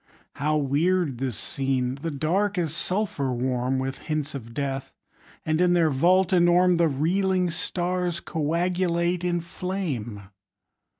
How weird the scene! The Dark is sulphur warm With hints of death; and in their vault enorme The reeling stars coagulate in flame.